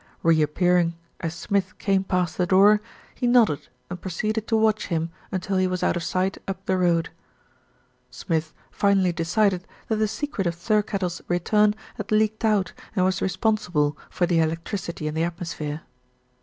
Reappearing as Smith came past the door, he SIR JOHN HILDRETH 285 nodded, and proceeded to watch him until he was out of sight up the road. Smith finally decided that the .secret of Thirkettle's return had leaked out and was responsible for the electricity in the atmosphere.